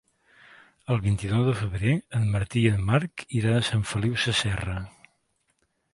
El vint-i-nou de febrer en Martí i en Marc iran a Sant Feliu Sasserra.